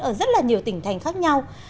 ở rất là nhiều tỉnh thành khác nhau